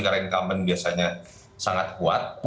karena incumbent biasanya sangat kuat